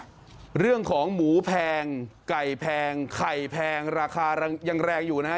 เรื่องของหมูแพงไก่แพงไข่แพงราคายังแรงอยู่นะฮะ